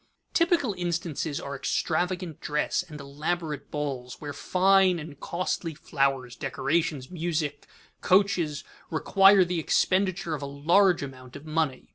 _ Typical instances are extravagant dress and elaborate balls where fine and costly flowers, decorations, music, coaches, require the expenditure of a large amount of money.